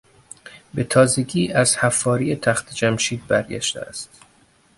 به تازگی از حفاری تخت جمشید برگشته است.